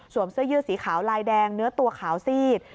เสื้อยืดสีขาวลายแดงเนื้อตัวขาวซีด